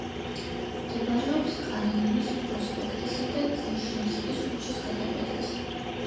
მდებარეობს კალინინის პროსპექტისა და ძერჟინსკის ქუჩის გადაკვეთაზე.